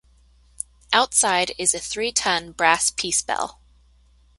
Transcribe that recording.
Outside is a three-ton, brass peace bell.